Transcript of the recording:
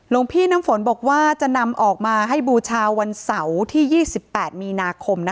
พี่น้ำฝนบอกว่าจะนำออกมาให้บูชาวันเสาร์ที่๒๘มีนาคม